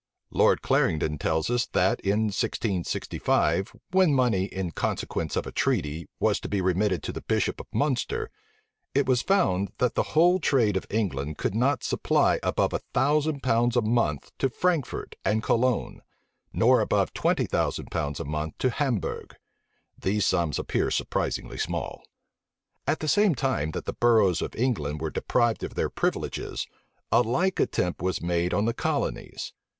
Lord Clarendon tells us, that, in 1665, when money, in consequence of a treaty, was to be remitted to the bishop of Munster, it was found, that the whole trade of England could not supply above a thousand pounds a month to Frankfort and Cologne, nor above twenty thousand pounds a month to Hamburgh: these sums appear surprisingly small.[*] * Life of Clarendon, p. 237. At the same time that the boroughs of England were deprived of their privileges, a like attempt was made on the colonies.